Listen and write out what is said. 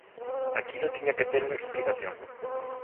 Aquilo tiña que ter unha explicación.